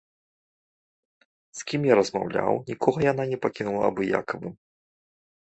З кім я размаўляў, нікога яна не пакінула абыякавым.